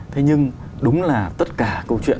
thế nhưng đúng là tất cả câu chuyện